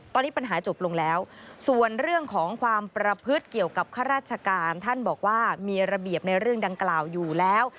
ตอนนี้ปัญหาจบลงแล้วส่วนเรื่องของความประพฤติเกี่ยวกับข้าราชการท่านบอกว่ามีระเบียบในเรื่องดังกล่าวอยู่แล้ว